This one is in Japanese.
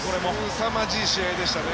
すさまじい試合でしたね。